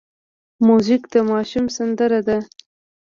موزیک د ماشوم سندره ده.